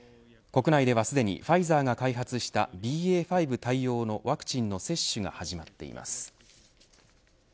国内ではすでにファイザーが開発したＢＡ．５対応のワクチンの接種が始まっています。